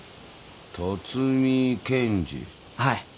はい。